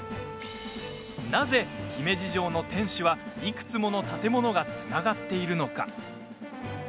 なぜ、姫路城の天守はいくつもの建物がつながっているのか？